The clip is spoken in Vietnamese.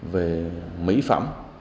về mỹ phẩm